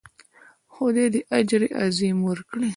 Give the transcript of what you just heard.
خدای دې اجر عظیم ورکړي.